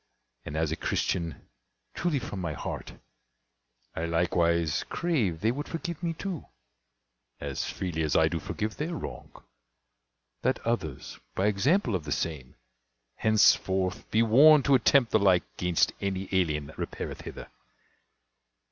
And, as a Christian, truly from my heart I likewise crave they would forgive me too (As freely as I do forgive their wrong) That others by example of the same Henceforth be warned to attempt the like Gainst any alien that repaireth hither.